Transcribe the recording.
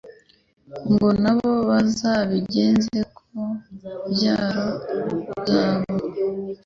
ngo na bo bazabigeze ku mbyaro zabo